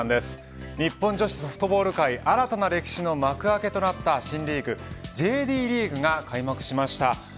日本女子ソフトボール界新たな歴史の幕開けとなった新リーグＪＤリーグが開幕しました。